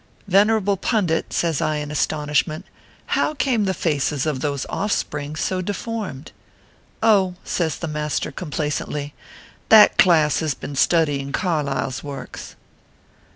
" Venerable pundit," says I, in astonishment, "how came the faces of those offspring so deformed ?""!" says the master, complacently, " that class has been studying Carlyle s works."